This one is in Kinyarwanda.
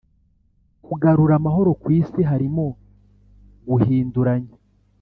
kugarura amahoro ku isi harimo guhinduranya